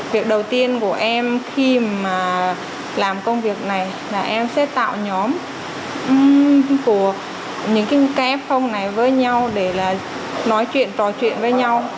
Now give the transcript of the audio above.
việc đầu tiên của em khi mà làm công việc này là em sẽ tạo nhóm của những kf phong này với nhau để là nói chuyện trò chuyện với nhau